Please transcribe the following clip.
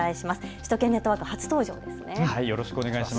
首都圏ネットワーク初登場ですね。